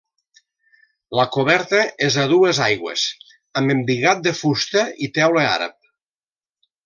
La coberta és a dues aigües amb embigat de fusta i teula àrab.